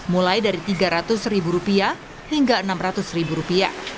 mulai dari rp tiga ratus hingga rp enam ratus